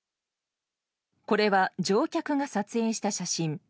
これは乗客が撮影した写真。